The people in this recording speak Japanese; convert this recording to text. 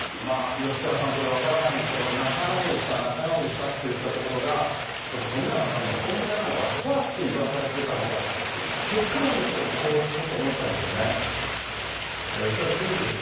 吉川さん、これ分からないんですけど、仲直りした、仲直りしたっていうところが、これ、冨永さんの本音なのか、怖くて言わされてたのか、結果論ですけど、ここ、おっしゃるとおりです。